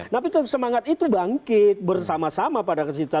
nah itu semangat itu bangkit bersama sama pada kesitaan